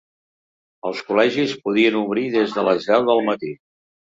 Els col·legis podien obrir des de les deu del matí.